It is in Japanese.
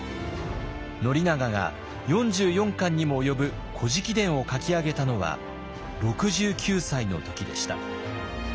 宣長が４４巻にも及ぶ「古事記伝」を書き上げたのは６９歳の時でした。